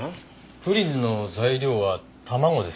プリンの材料は卵ですよね。